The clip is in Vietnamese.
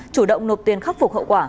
chủ động nộp tiền khắc phục hậu quả